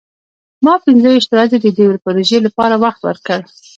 ما پنځه ویشت ورځې د دې پروژې لپاره وخت ورکړ.